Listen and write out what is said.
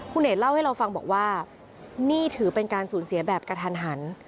คุณเอกเล่าให้เราฟังบอกว่านี่ถือเป็นการสูญเสียแบบกระทันหัน